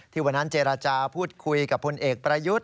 วันนั้นเจรจาพูดคุยกับพลเอกประยุทธ์